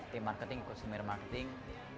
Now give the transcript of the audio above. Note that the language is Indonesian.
tim marketing ikut seminar marketing